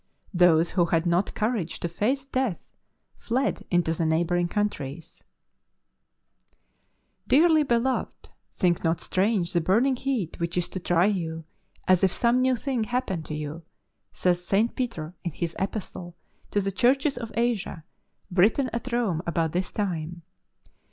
Those who had not courage riAa+h fled into the neighbommg 124 life of ST. PAUL " Dearly beloved, think not strange the burning heat which is to try you, as if some new thing happened to you," says St. Peter in his epistle to the Churches of Asia, written at Rome about this time.